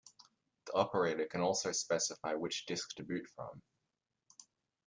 The operator can also specify which disk to boot from.